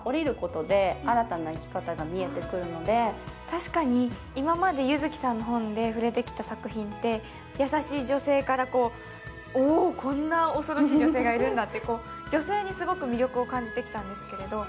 確かに、今まで柚木さんの本で触れてきた作品って、優しい女性から、おおっ、こんな恐ろしい女性がいるんだと、女性にすごく魅力を感じてきたんですけれども